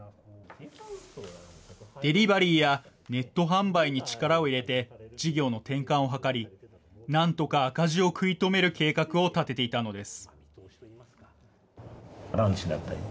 デリバリーやネット販売に力を入れて、事業の転換を図り、なんとか赤字を食い止める計画を立てていたのです。